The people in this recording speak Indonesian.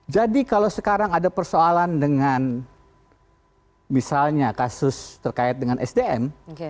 jadi kalau sekarang ada persoalan dengan misalnya kasus terkait dengan sdm